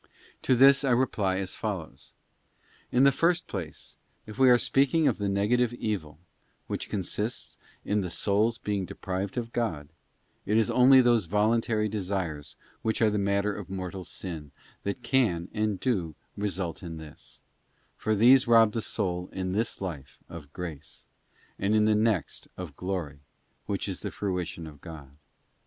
To this I reply as follows:—In the first place, if we are speaking of the negative evil, which consists in the soul's being deprived of God, it is only those voluntary desires which are the matter of mortal sin that can, and do, result in this: for these rob the soul in this life of grace, and in the next of glory, which is the fruition of God.